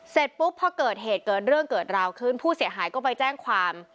เสร็จปุ๊บพอเกิดเหตุเกิดเรื่องเกิดราวขึ้นผู้เสียหายก็ไปแจ้งความ